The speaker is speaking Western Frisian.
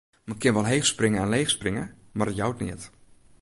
Men kin wol heech springe en leech springe, mar it jout neat.